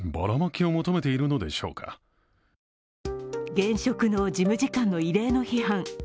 現職の事務次官の異例の批判。